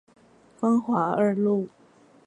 光華二路